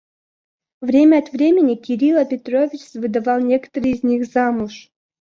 Время от времени Кирила Петрович выдавал некоторых из них замуж.